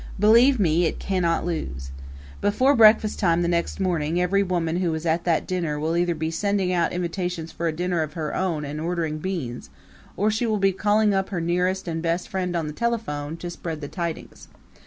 Believe me, it cannot lose. Before breakfast time the next morning every woman who was at that dinner will either be sending out invitations for a dinner of her own and ordering beans, or she will be calling up her nearest and best friend on the telephone to spread the tidings.